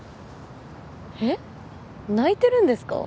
えっ泣いてるんですか？